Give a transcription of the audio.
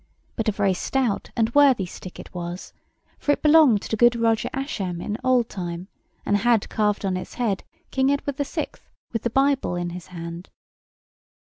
But a very stout and worthy stick it was, for it belonged to good Roger Ascham in old time, and had carved on its head King Edward the Sixth, with the Bible in his hand.